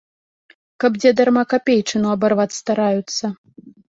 Каб дзе дарма капейчыну абарваць стараюцца.